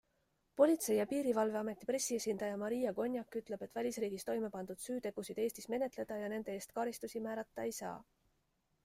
Politsei- ja piirivalveameti pressiesindaja Maria Gonjak ütleb, et välisriigis toimepandud süütegusid Eestis menetleda ja nende eest karistusi määrata ei saa.